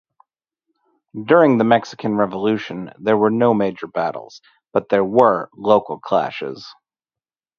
During the Mexican Revolution, there were no major battles but there were local clashes.